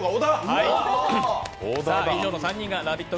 以上の３人がラヴィット！